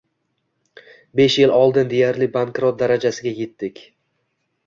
Besh yil oldin deyarli bankrot darajasiga yetdik.